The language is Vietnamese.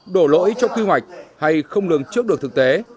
đổ lỗi trong kỳ hoạch hay không lường trước được thực tế